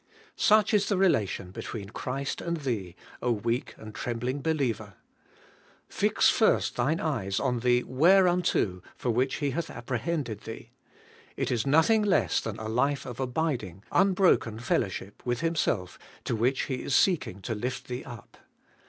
Such is the relation between Christ and thee, weak and trembling believer! Fix first thine eyes on the wheretmto for which He hath apprehended thee. It is nothing less than a life of abiding, unbroken fellowship with Himself to which He is seeking to lift thee up.